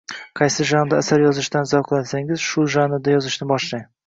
qaysi janrda asar yozishdan zavqlansangiz shu janrda yozishni boshlang